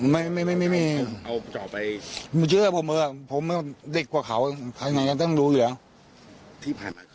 ที่ผ่านมาเค้ามีปัญหาอะไร